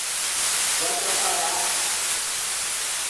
Guatapará